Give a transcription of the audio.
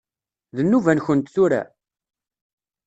D nnuba-nkent tura?